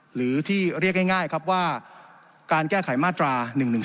หรือที่เรียกง่ายครับว่าการแก้ไขมาตรา๑๑๒